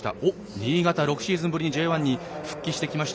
新潟は６シーズンぶりにＪ１に復帰してきました